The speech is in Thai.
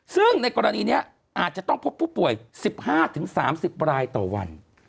ซึ่งในกรณีนี้อาจจะต้องพบผู้ป่วย๑๕๓๐รายต่อวัน